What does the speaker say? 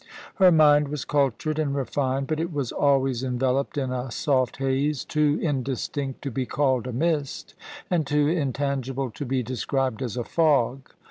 Her mind was cultured and refined; but it was always enveloped in a soft haze, too indistinct to be called a mist and too intangible to be de scribed as a fog.